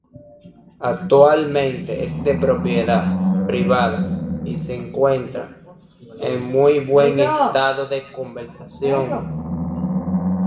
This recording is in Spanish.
Actualmente es de propiedad privada y se encuentra en muy buen estado de conservación.